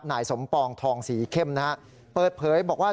หน่ายสมปองทองสีเข้มเปิดเผยบอกว่า